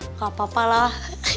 nggak papa lah kaki gue beda ya